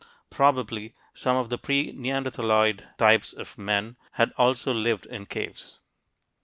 Probably some of the pre neanderthaloid types of men had also lived in caves.